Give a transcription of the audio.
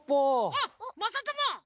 あっまさとも！